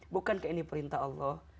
bukan ke ini perintah allah